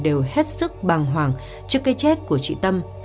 đều hết sức bàng hoàng trước cây chết của chị tâm